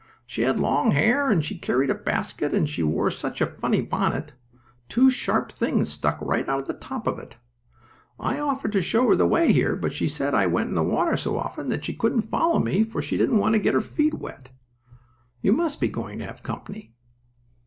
She had long hair and she carried a basket and she wore such a funny bonnet! Two sharp things stuck right out of the top of it. I offered to show her the way here, but she said I went in the water so often that she couldn't follow me, for she didn't want to get her feet wet. You must be going to have company."